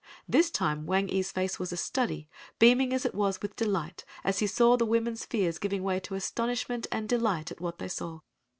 This time Wang ee's face was a study, beaming as it was with delight as he saw the women's fears giving way to astonishment and delight at what they saw.